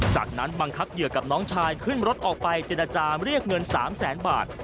จากนั้นบังคับเหยื่อกับน้องชายขึ้นรถออกไปเจรจาเรียกเงิน๓แสนบาท